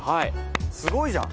すごいじゃん。